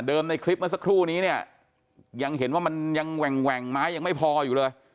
ในคลิปเมื่อสักครู่นี้เนี่ยยังเห็นว่ามันยังแหว่งไม้ยังไม่พออยู่เลย